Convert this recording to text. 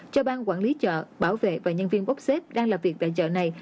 cho bang quản lý chợ bảo vệ và nhân viên bốc xếp đang làm việc tại chợ này